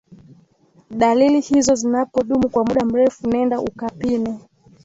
dalili hizo zinapodumu kwa muda mrefu nenda ukapime